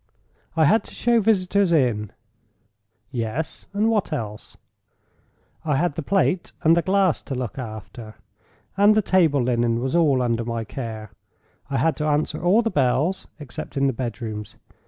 "I had to show visitors in." "Yes; and what else?" "I had the plate and the glass to look after; and the table linen was all under my care. I had to answer all the bells, except in the bedrooms.